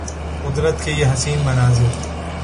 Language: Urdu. قدرت کے یہ حسین مناظر